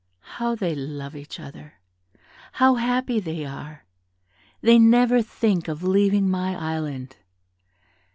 How they love each other! How happy they are; they never think of leaving my Island.